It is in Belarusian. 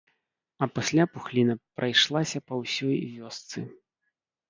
А пасля пухліна прайшлася па ўсёй вёсцы.